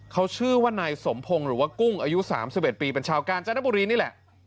เขาชื่อว่านายสมพงศ์หรือว่ากุ้งอายุ๓๑ปีเป็นชาวกาญจนบุรีนี่แหละ